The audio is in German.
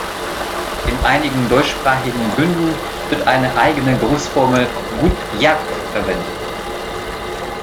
In einigen deutschsprachigen Bünden wird eine eigene Grußformel "Gut Jagd" verwendet.